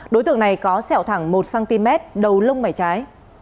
đối tượng này có sẹo thẳng một cm đầu lông mảy trái